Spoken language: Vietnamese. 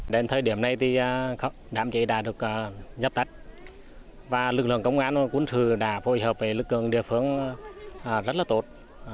đến thời điểm này thì đám cháy đã được giáp tách và lực lượng công an quân sự đã phối hợp với lực lượng địa phương rất là tốt